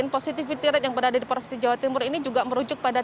positivity rate yang berada di provinsi jawa timur ini juga merujuk pada